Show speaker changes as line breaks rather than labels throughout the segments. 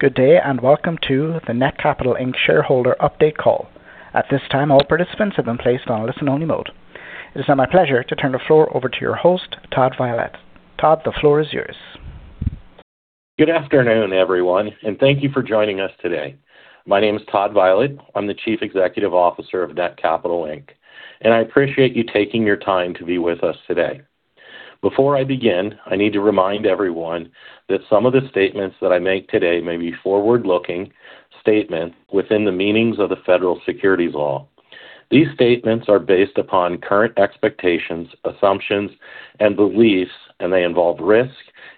Good day, welcome to the Netcapital Inc. Shareholder Update Call. At this time, all participants have been placed on listen only mode. It is now my pleasure to turn the floor over to your host, Todd Violette. Todd, the floor is yours.
Good afternoon, everyone, and thank you for joining us today. My name is Todd Violette. I'm the Chief Executive Officer of Netcapital Inc., and I appreciate you taking your time to be with us today. Before I begin, I need to remind everyone that some of the statements that I make today may be forward-looking statements within the meanings of the Federal Securities laws. These statements are based upon current expectations, assumptions, and beliefs. They involve risk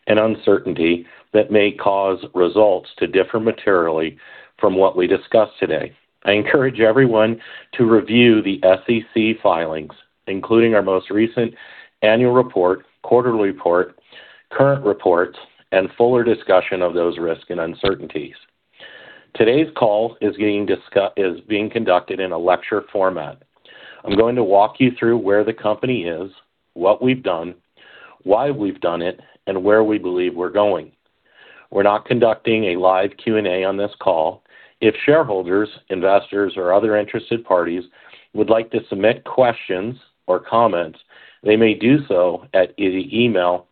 and uncertainty that may cause results to differ materially from what we discuss today. I encourage everyone to review the SEC filings, including our most recent annual report, quarterly report, current reports, and fuller discussion of those risks and uncertainties. Today's call is being conducted in a lecture format. I'm going to walk you through where the company is, what we've done, why we've done it, and where we believe we're going. We're not conducting a live Q&A on this call. If shareholders, investors, or other interested parties would like to submit questions or comments, they may do so at email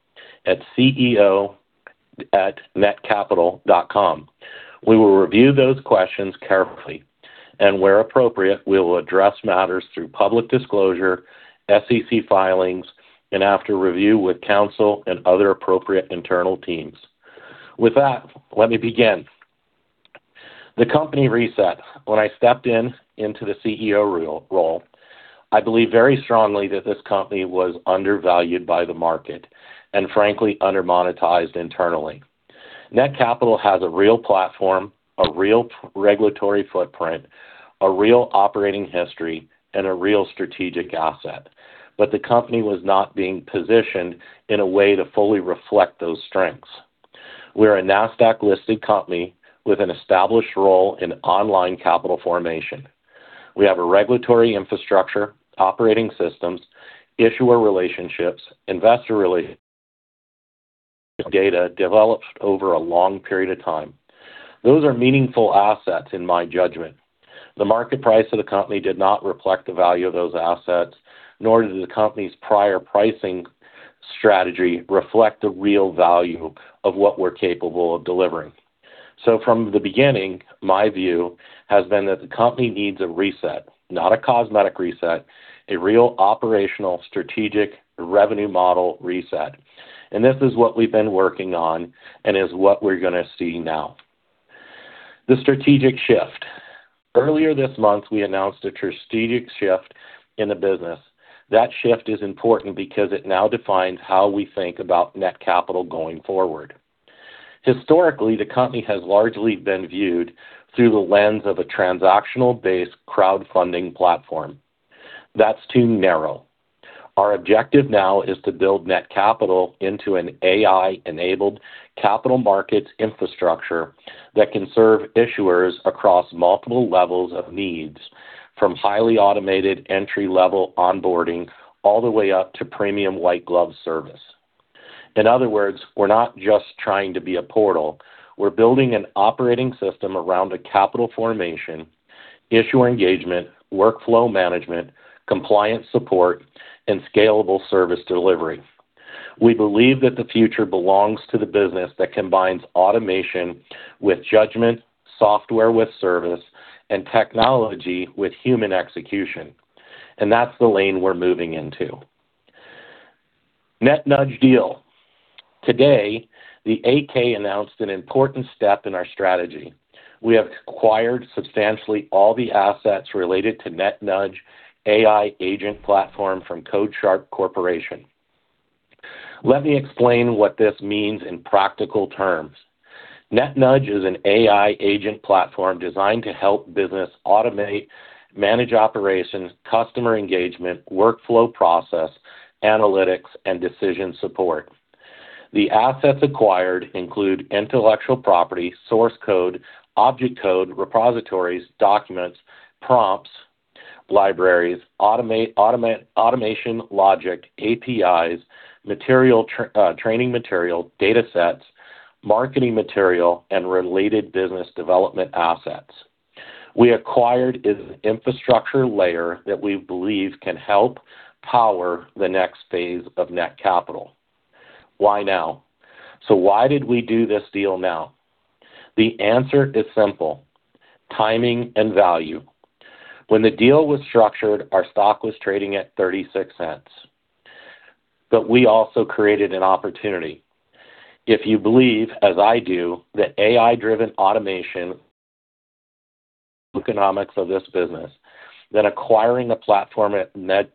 at ceo@netcapital.com. We will review those questions carefully, where appropriate, we will address matters through public disclosure, SEC filings, and after review with counsel and other appropriate internal teams. With that, let me begin. The company reset. When I stepped into the CEO role, I believed very strongly that this company was undervalued by the market and frankly, under-monetized internally. Netcapital has a real platform, a real regulatory footprint, a real operating history, and a real strategic asset. The company was not being positioned in a way to fully reflect those strengths. We're a Nasdaq-listed company with an established role in online capital formation. We have a regulatory infrastructure, operating systems, issuer relationships, investor relationships data developed over a long period of time. Those are meaningful assets in my judgment. The market price of the company did not reflect the value of those assets, nor did the company's prior pricing strategy reflect the real value of what we're capable of delivering. From the beginning, my view has been that the company needs a reset. Not a cosmetic reset, a real operational, strategic revenue model reset. This is what we've been working on and is what we're going to see now. The strategic shift. Earlier this month, we announced a strategic shift in the business. That shift is important because it now defines how we think about Netcapital going forward. Historically, the company has largely been viewed through the lens of a transactional-based crowdfunding platform. That's too narrow. Our objective now is to build Netcapital into an AI-enabled capital markets infrastructure that can serve issuers across multiple levels of needs, from highly automated entry-level onboarding all the way up to premium white glove service. In other words, we're not just trying to be a portal. We're building an operating system around a capital formation, issuer engagement, workflow management, compliance support, and scalable service delivery. We believe that the future belongs to the business that combines automation with judgment, software with service, and technology with human execution. That's the lane we're moving into. NetNudge deal. Today, the 8-K announced an important step in our strategy. We have acquired substantially all the assets related to NetNudge AI agent platform from CoreSharp Corporation. Let me explain what this means in practical terms. NetNudge is an AI agent platform designed to help business automate, manage operations, customer engagement, workflow process, analytics, and decision support. The assets acquired include intellectual property, source code, object code, repositories, documents, prompts, libraries, automation logic, APIs, training material, datasets, marketing material, and related business development assets. We acquired its infrastructure layer that we believe can help power the next phase of Netcapital. Why now? Why did we do this deal now? The answer is simple, timing and value. When the deal was structured, our stock was trading at $0.36. We also created an opportunity. If you believe, as I do, that AI-driven automation economics of this business, then acquiring a platform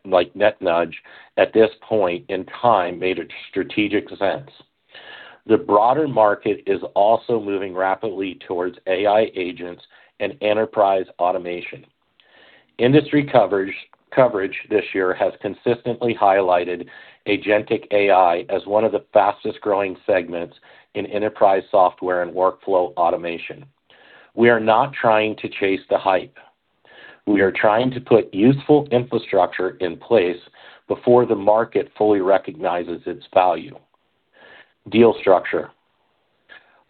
like NetNudge at this point in time made strategic sense. The broader market is also moving rapidly towards AI agents and enterprise automation. Industry coverage this year has consistently highlighted agentic AI as one of the fastest-growing segments in enterprise software and workflow automation. We are not trying to chase the hype. We are trying to put useful infrastructure in place before the market fully recognizes its value. Deal structure.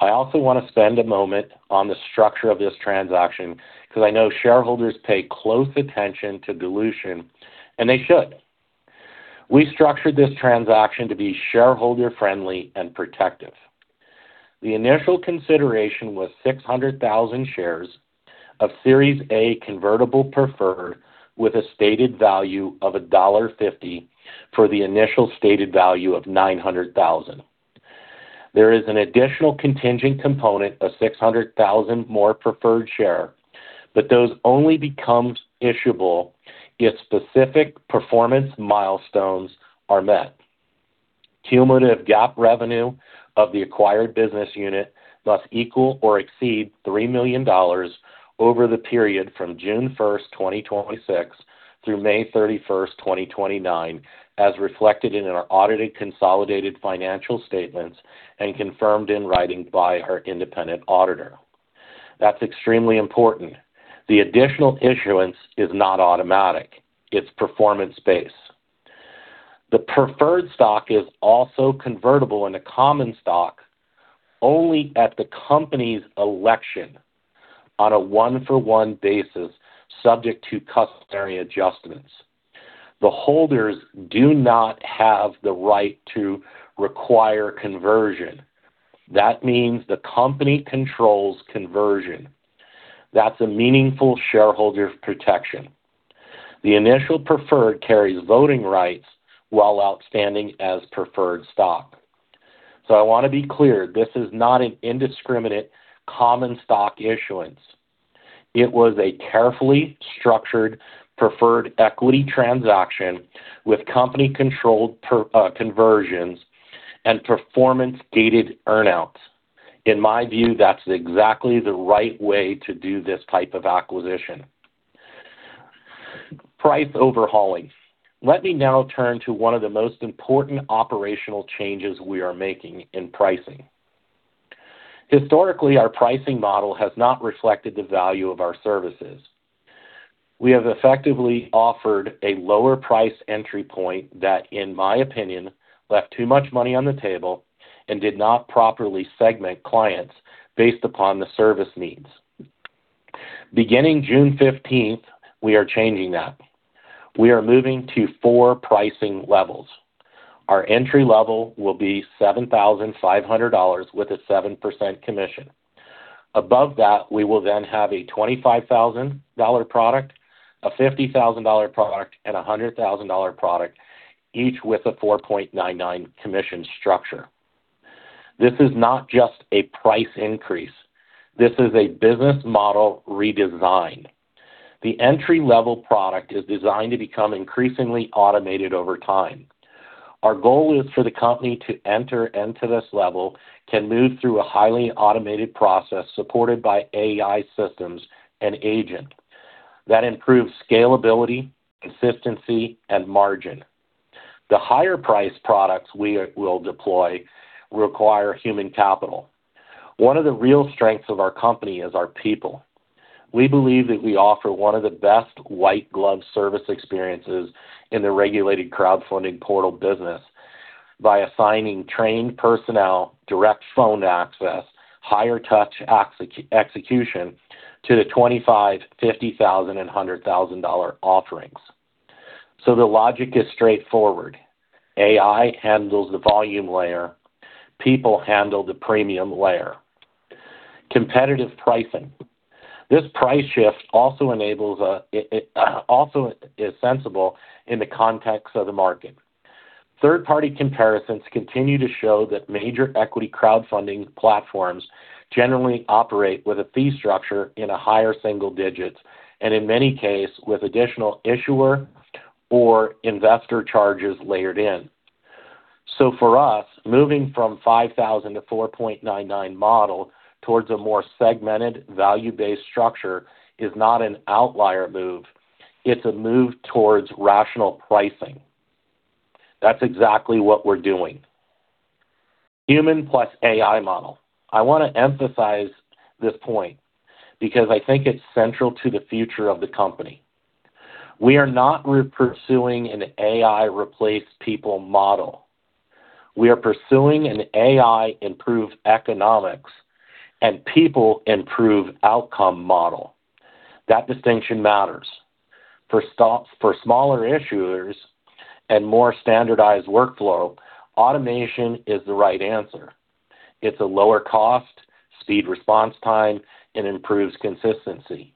I also want to spend a moment on the structure of this transaction because I know shareholders pay close attention to dilution, and they should. We structured this transaction to be shareholder-friendly and protective. The initial consideration was 600,000 shares of Series A convertible preferred with a stated value of $1.50 for the initial stated value of 900,000. There is an additional contingent component of 600,000 more preferred share, but those only becomes issuable if specific performance milestones are met. Cumulative GAAP revenue of the acquired business unit must equal or exceed $3 million over the period from June 1st, 2026 through May 31st, 2029, as reflected in our audited consolidated financial statements and confirmed in writing by our independent auditor. That's extremely important. The additional issuance is not automatic. It's performance-based. The preferred stock is also convertible into common stock only at the company's election on a one-for-one basis, subject to customary adjustments. The holders do not have the right to require conversion. That means the company controls conversion. That's a meaningful shareholder protection. The initial preferred carries voting rights while outstanding as preferred stock. I want to be clear, this is not an indiscriminate common stock issuance. It was a carefully structured preferred equity transaction with company-controlled conversions and performance-gated earn-outs. In my view, that's exactly the right way to do this type of acquisition. Price overhauling. Let me now turn to one of the most important operational changes we are making in pricing. Historically, our pricing model has not reflected the value of our services. We have effectively offered a lower price entry point that, in my opinion, left too much money on the table and did not properly segment clients based upon the service needs. Beginning June 15th, we are changing that. We are moving to four pricing levels. Our entry level will be $7,500 with a 7% commission. Above that, we will then have a $25,000 product, a $50,000 product, and a $100,000 product, each with a 4.99% commission structure. This is not just a price increase; this is a business model redesign. The entry-level product is designed to become increasingly automated over time. Our goal is for the company to enter into this level can move through a highly automated process supported by AI systems and agent. That improves scalability, consistency, and margin. The higher priced products we will deploy require human capital. One of the real strengths of our company is our people. We believe that we offer one of the best white glove service experiences in the Regulation Crowdfunding portal business by assigning trained personnel direct phone access, higher touch execution to the $25,000, $50,000, and $100,000 offerings. The logic is straightforward. AI handles the volume layer. People handle the premium layer. Competitive pricing. This price shift also is sensible in the context of the market. Third-party comparisons continue to show that major equity crowdfunding platforms generally operate with a fee structure in a higher single digits, and in many cases, with additional issuer or investor charges layered in. For us, moving from $5,000 to 4.99 model towards a more segmented value-based structure is not an outlier move; it's a move towards rational pricing. That's exactly what we're doing. Human plus AI model. I want to emphasize this point because I think it's central to the future of the company. We are not pursuing an AI replace people model. We are pursuing an AI improve economics and people improve outcome model. That distinction matters. For smaller issuers and more standardized workflow, automation is the right answer. It's a lower cost, speed response time, and improves consistency.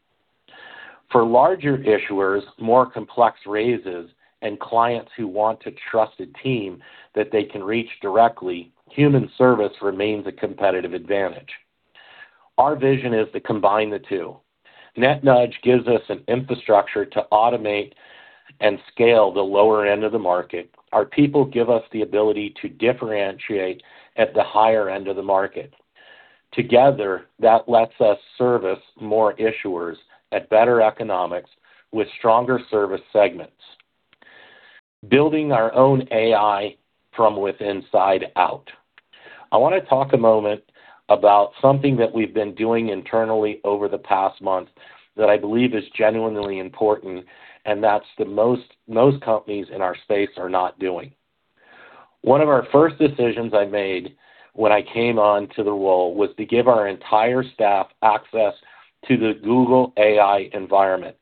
For larger issuers, more complex raises, and clients who want a trusted team that they can reach directly, human service remains a competitive advantage. Our vision is to combine the two. NetNudge gives us an infrastructure to automate and scale the lower end of the market. Our people give us the ability to differentiate at the higher end of the market. Together, that lets us service more issuers at better economics with stronger service segments. Building our own AI from inside out. I want to talk a moment about something that we've been doing internally over the past month that I believe is genuinely important and that most companies in our space are not doing. One of our first decisions I made when I came on to the role was to give our entire staff access to the Google AI environment.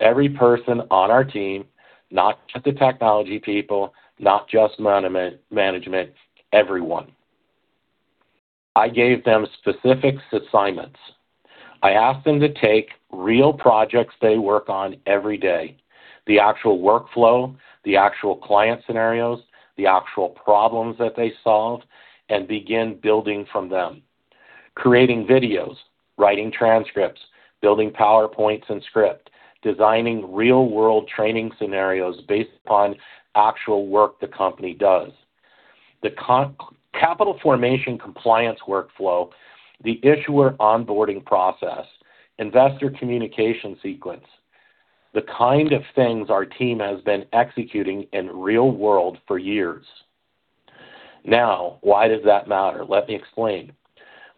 Every person on our team, not just the technology people, not just management, everyone. I gave them specific assignments. I asked them to take real projects they work on every day, the actual workflow, the actual client scenarios, the actual problems that they solve, and begin building from them. Creating videos, writing transcripts, building PowerPoints and script, designing real-world training scenarios based upon actual work the company does. The capital formation compliance workflow, the issuer onboarding process, investor communication sequence. The kind of things our team has been executing in real-world for years. Why does that matter? Let me explain.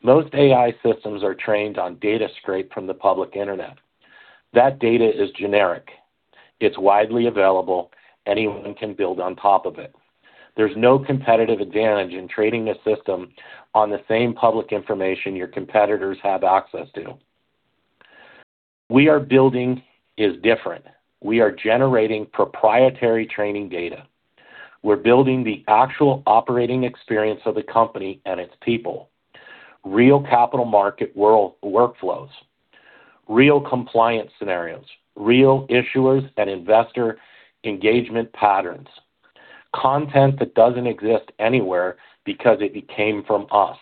Most AI systems are trained on data scraped from the public internet. That data is generic. It's widely available. Anyone can build on top of it. There's no competitive advantage in training a system on the same public information your competitors have access to. What we are building is different. We are generating proprietary training data. We're building the actual operating experience of the company and its people. Real capital market workflows. Real compliance scenarios. Real issuers and investor engagement patterns. Content that doesn't exist anywhere because it came from us.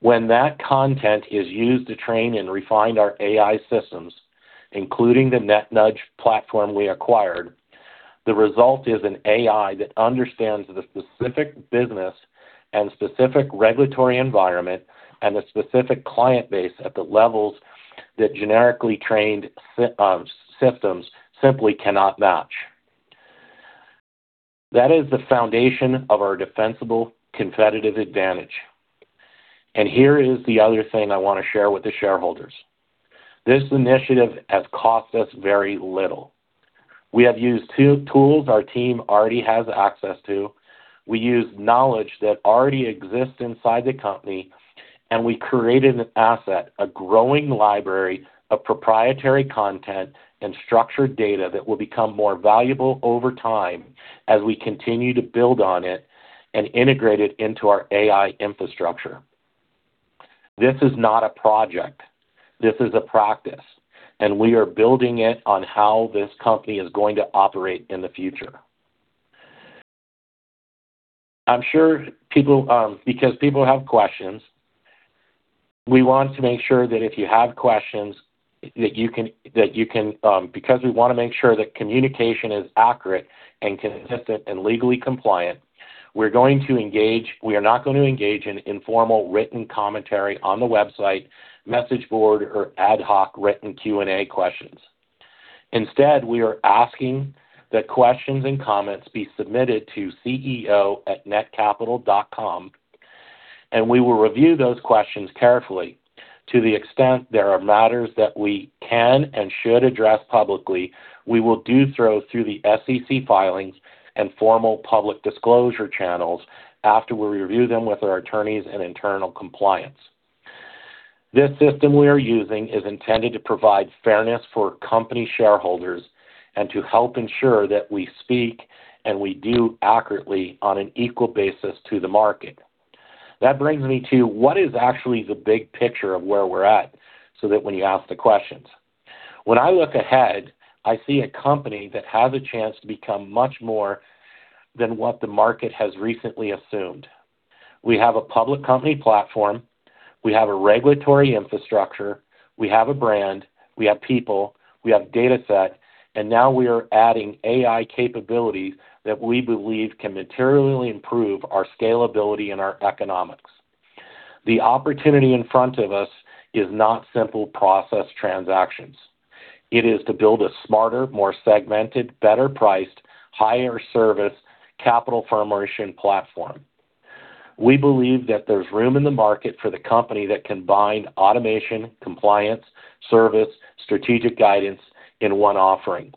When that content is used to train and refine our AI systems, including the NetNudge platform we acquired, the result is an AI that understands the specific business and specific regulatory environment and the specific client base at the levels that generically trained systems simply cannot match. That is the foundation of our defensible competitive advantage. Here is the other thing I want to share with the shareholders. This initiative has cost us very little. We have used tools our team already has access to. We used knowledge that already exists inside the company, and we created an asset, a growing library of proprietary content and structured data that will become more valuable over time as we continue to build on it and integrate it into our AI infrastructure. This is not a project. This is a practice, and we are building it on how this company is going to operate in the future. I'm sure because people have questions, we want to make sure that if you have questions, because we want to make sure that communication is accurate and consistent and legally compliant, we are not going to engage in informal written commentary on the website, message board, or ad hoc written Q&A questions. Instead, we are asking that questions and comments be submitted to ceo@netcapital.com, and we will review those questions carefully. To the extent there are matters that we can and should address publicly, we will do so through the SEC filings and formal public disclosure channels after we review them with our attorneys and internal compliance. This system we are using is intended to provide fairness for company shareholders and to help ensure that we speak and we do accurately on an equal basis to the market. That brings me to what is actually the big picture of where we're at, so that when you ask the questions. When I look ahead, I see a company that has a chance to become much more than what the market has recently assumed. We have a public company platform, we have a regulatory infrastructure, we have a brand, we have people, we have dataset, and now we are adding AI capabilities that we believe can materially improve our scalability and our economics. The opportunity in front of us is not simple process transactions. It is to build a smarter, more segmented, better-priced, higher service capital formation platform. We believe that there's room in the market for the company that combined automation, compliance, service, strategic guidance in one offering.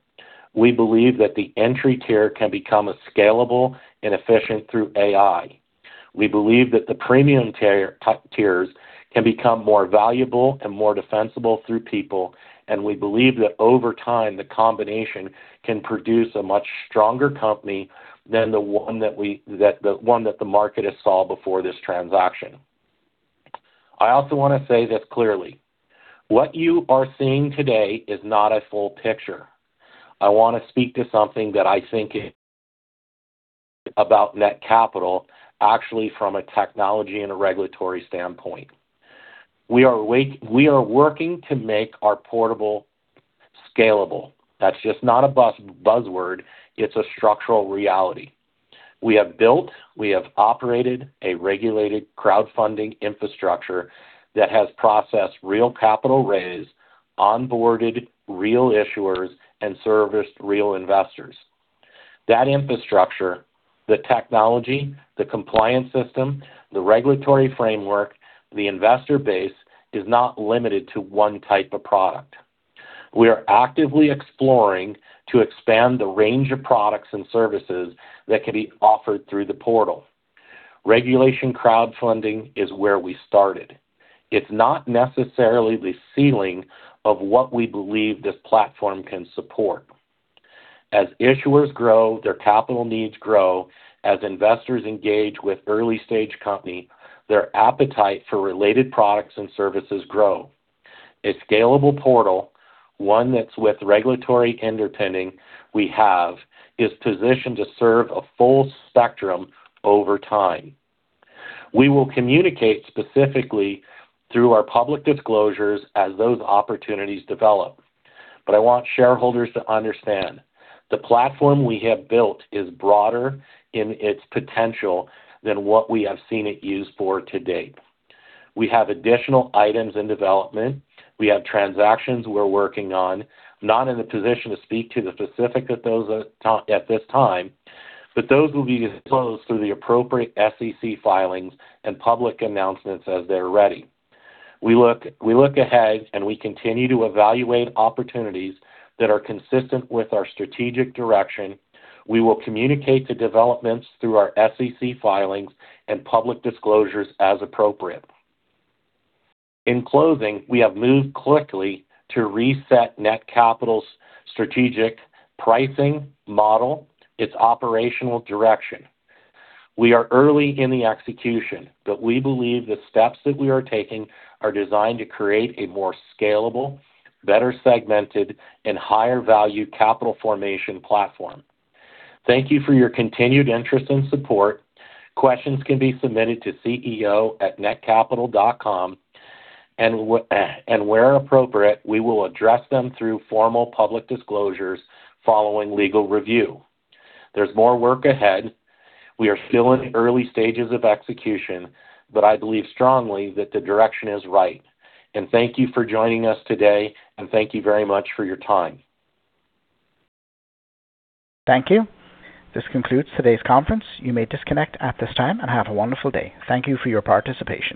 We believe that the entry tier can become as scalable and efficient through AI. We believe that the premium tiers can become more valuable and more defensible through people, and we believe that over time, the combination can produce a much stronger company than the one that the market has saw before this transaction. I also want to say this clearly. What you are seeing today is not a full picture. I want to speak to something About Netcapital, actually from a technology and a regulatory standpoint. We are working to make our portal scalable. That's just not a buzzword, it's a structural reality. We have built, we have operated a regulated crowdfunding infrastructure that has processed real capital raised, onboarded real issuers, and serviced real investors. That infrastructure, the technology, the compliance system, the regulatory framework, the investor base, is not limited to one type of product. We are actively exploring to expand the range of products and services that can be offered through the portal. Regulation Crowdfunding is where we started. It's not necessarily the ceiling of what we believe this platform can support. As issuers grow, their capital needs grow. As investors engage with early-stage company, their appetite for related products and services grow. A scalable portal, one that's with regulatory underpinning we have, is positioned to serve a full spectrum over time. We will communicate specifically through our public disclosures as those opportunities develop. I want shareholders to understand, the platform we have built is broader in its potential than what we have seen it used for to date. We have additional items in development. We have transactions we're working on, not in the position to speak to the specific of those at this time, but those will be disclosed through the appropriate SEC filings and public announcements as they're ready. We look ahead and we continue to evaluate opportunities that are consistent with our strategic direction. We will communicate the developments through our SEC filings and public disclosures as appropriate. In closing, we have moved quickly to reset Netcapital's strategic pricing model, its operational direction. We are early in the execution, but we believe the steps that we are taking are designed to create a more scalable, better segmented, and higher value capital formation platform. Thank you for your continued interest and support. Questions can be submitted to ceo@netcapital.com. Where appropriate, we will address them through formal public disclosures following legal review. There's more work ahead. We are still in early stages of execution. I believe strongly that the direction is right. Thank you for joining us today, and thank you very much for your time.
Thank you. This concludes today's conference. You may disconnect at this time, and have a wonderful day. Thank you for your participation.